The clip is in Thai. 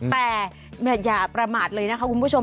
แต่อย่าประมาทเลยนะคะคุณผู้ชม